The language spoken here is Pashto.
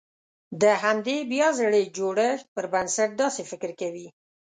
د همدې بيا ځلې جوړښت پر بنسټ داسې فکر کوي.